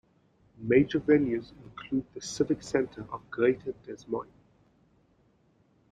Major venues include the Civic Center of Greater Des Moines.